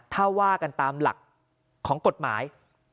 ถ้าว่ากันตามหลักของกฎหมาย